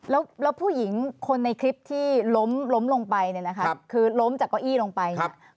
แล้วผู้หญิงคนในคลิปที่ล้มล้มลงไปเนี่ยนะคะคือล้มจากเก้าอี้ลงไปเนี่ย